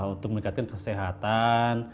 untuk meningkatkan kesehatan